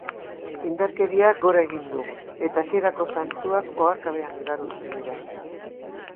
Indarkeriak gora egiten du, eta hasierako zantzuak oharkabean igarotzen dira.